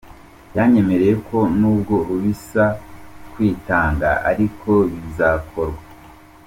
Yanyemereye ko nubwo bisaba kwitanga ariko bizakorwa.